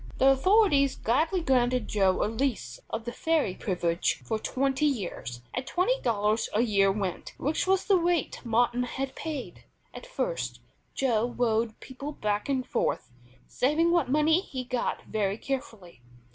The authorities gladly granted Joe a lease of the ferry privilege for twenty years, at twenty dollars a year rent, which was the rate Martin had paid. At first Joe rowed people back and forth, saving what money he got very carefully.